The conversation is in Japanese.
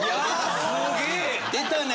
出たね！